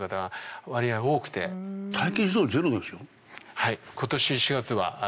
はい。